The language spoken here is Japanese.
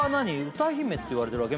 歌姫って言われてるわけ？